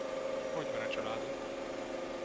Hogy van a családod?